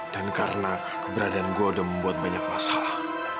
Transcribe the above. dan karena keberadaan gue udah membuat banyak masalah